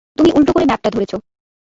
তুমি উলটো করে ম্যাপটা ধরেছ।